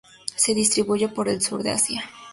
Se distribuye por el sur de Asia.